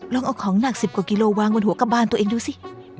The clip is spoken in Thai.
ลองออกของหนักสิบกว่ากิโลว่าง่วงหัวกับบ้านตัวเองดูสิ